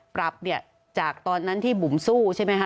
ปรับเนี่ยจากตอนนั้นที่บุ๋มสู้ใช่ไหมคะ